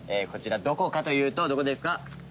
こちらどこかというとどこですか？